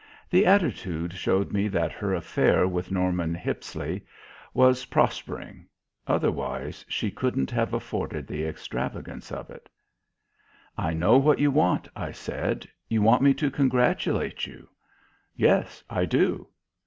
The attitude showed me that her affair with Norman Hippisley was prospering; otherwise she couldn't have afforded the extravagance of it. "I know what you want," I said. "You want me to congratulate you." "Yes. I do."